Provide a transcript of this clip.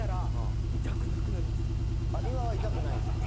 今は痛くないんですか？